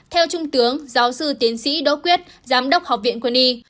theo trung tướng giáo sư tiến sĩ đỗ quyết giám đốc học viện quân y